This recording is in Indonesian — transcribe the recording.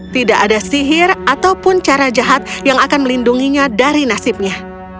tidak ada sihir ataupun cara jahat yang akan melindunginya dari nasibnya